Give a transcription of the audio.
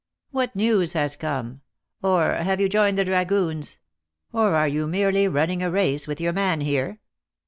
"What news has come? Or have you joined the dragoons? Or are you merely running a race with your man here?"